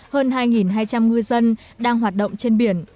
hơn hai hai trăm linh ngư dân đang hoạt động trên biển